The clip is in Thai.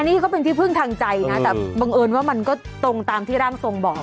นี่ก็เป็นที่พึ่งทางใจนะแต่บังเอิญว่ามันก็ตรงตามที่ร่างทรงบอก